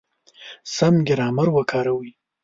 سم ګرامر وکاروئ!